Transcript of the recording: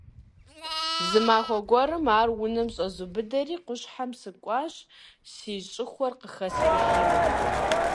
Зы махуэ гуэрым ар унэм щӀэзубыдэри, къущхьэм сыкӀуащ си щӀыхуэр къыхэсхыжыну.